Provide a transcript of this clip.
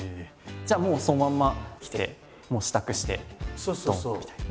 じゃあもうそのまんま来て支度してドンみたいな。